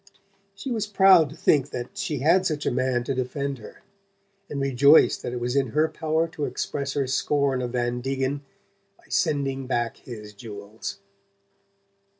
She was proud to think that she had such a man to defend her, and rejoiced that it was in her power to express her scorn of Van Degen by sending back his jewels.